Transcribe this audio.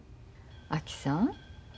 あきさん。